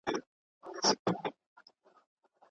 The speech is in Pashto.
پولیسو په ښارونو کي امنیت نیولی و.